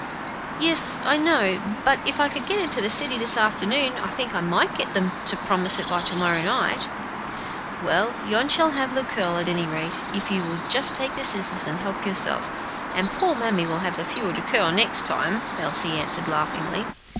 "Yes, I know; but if I could get into the city this afternoon, I think I might get them to promise it by to morrow night." "Well, you shall have the curl, at any rate, if you will just take the scissors and help yourself, and poor mammy will have the fewer to curl the next time," Elsie answered, laughingly.